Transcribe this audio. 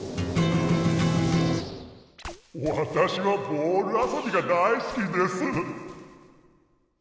『わたしはボール遊びが大すきです』